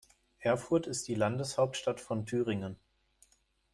Erfurt ist die Landeshauptstadt von Thüringen.